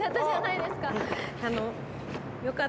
いいですか？